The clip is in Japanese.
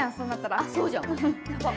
あっそうじゃ。